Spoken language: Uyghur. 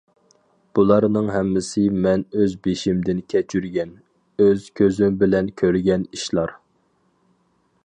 بۇلارنىڭ ھەممىسى مەن ئۆز بېشىمدىن كەچۈرگەن، ئۆز كۆزۈم بىلەن كۆرگەن ئىشلار.